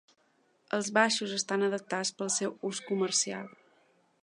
Els baixos estan adaptats pel seu ús comercial.